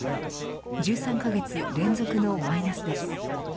１３カ月連続のマイナスです。